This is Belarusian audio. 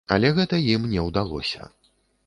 Але гэта ім не ўдалося.